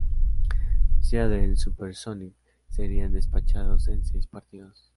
Seattle SuperSonics serían despachados en seis partidos.